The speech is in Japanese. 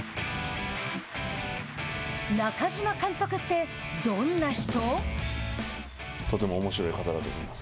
中嶋監督ってどんな人？